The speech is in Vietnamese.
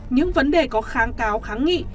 những vấn đề có kháng cáo kháng nghị